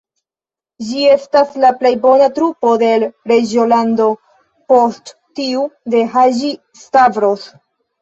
Ĝi estas la plej bona trupo de l' reĝolando, post tiu de Haĝi-Stavros.